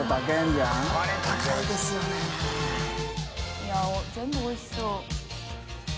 いや全部おいしそう。